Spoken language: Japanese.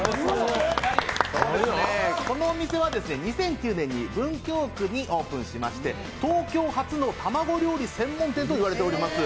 このお店は２００９年に文京区にオープンしまして東京初の卵料理専門店と言われております。